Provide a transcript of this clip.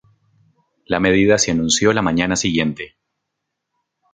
La medida se anunció la mañana siguiente.